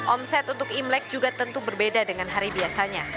omset untuk imlek juga tentu berbeda dengan hari biasanya